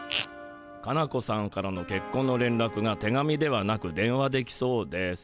カナ子さんからのけっこんのれんらくが手紙ではなく電話で来そうです。